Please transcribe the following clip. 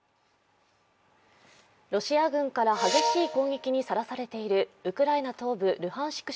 ロシア軍から激しい攻撃にさらされているウクライナ東部ルハンシク